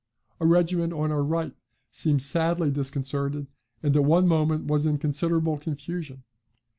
A regiment on our right seemed sadly disconcerted, and at one moment was in considerable confusion.